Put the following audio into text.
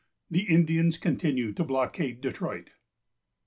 THE INDIANS CONTINUE TO BLOCKADE DETROIT.